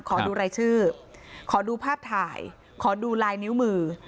ขอดูรายชื่อขอดูภาพถ่ายขอดูลายนิ้วมือ